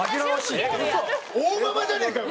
大ママじゃねえかよ